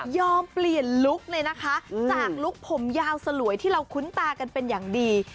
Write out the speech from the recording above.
เปลี่ยนลุคเลยนะคะจากลุคผมยาวสลวยที่เราคุ้นตากันเป็นอย่างดี